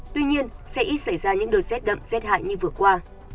tuy nhiên sẽ ít xảy ra những đợt rét đậm rét hại như vừa qua